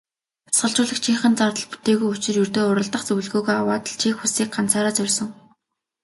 Дасгалжуулагчийнх нь зардал бүтээгүй учир ердөө уралдах зөвлөгөөгөө аваад л Чех улсыг ганцаараа зорьсон.